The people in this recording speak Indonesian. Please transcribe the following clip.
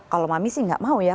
kalau mami sih nggak mau ya